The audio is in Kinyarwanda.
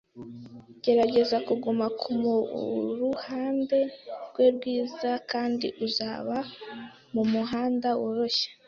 Gerageza kuguma kumuruhande rwe rwiza kandi uzaba mumuhanda woroshye.